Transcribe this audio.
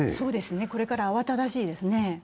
これから慌ただしいですね。